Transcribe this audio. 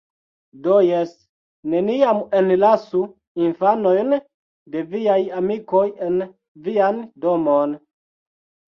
Do jes, neniam enlasu infanojn de viaj amikoj en vian domon.